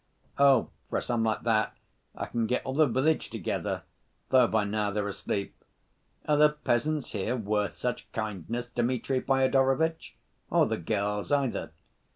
"Oh, for a sum like that I can get all the village together, though by now they're asleep. Are the peasants here worth such kindness, Dmitri Fyodorovitch, or the girls either?